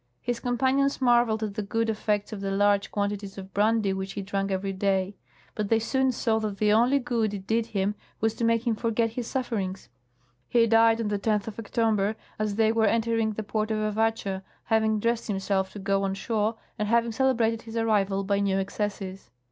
His compan ions marveled at the good effects of the large quantities of brandy which he ch ank every day ; but they soon saw that the only good it did him was to make him forget his sufferings. He died on the 10th of October, as they were entering the port of Avatscha, having dressed himself to go on shore and having celebrated his arrival by new excesses.